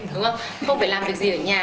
không phải làm việc gì ở nhà